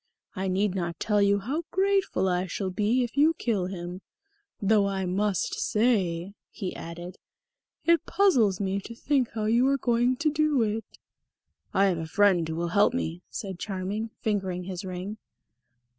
I need not tell you how grateful I shall be if you kill him. Though I must say," he added, "it puzzles me to think how you are going to do it." "I have a friend who will help me," said Charming, fingering his ring.